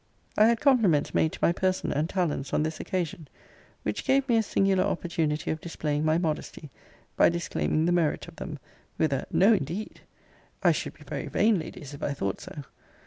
I had compliments made to my person and talents on this occasion: which gave me a singular opportunity of displaying my modesty, by disclaiming the merit of them, with a No, indeed! I should be very vain, Ladies, if I thought so.